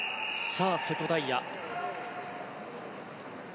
さあ、瀬戸大也。